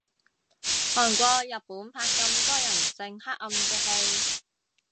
韓國日本拍咁多人性黑暗嘅戲